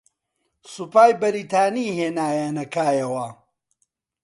سوپای بەریتانی ھێنایانە کایەوە